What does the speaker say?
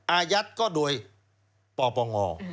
อายัดก็โดยปปง